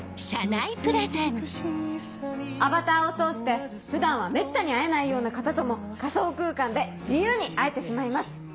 アバターを通して普段はめったに会えないような方とも仮想空間で自由に会えてしまいます。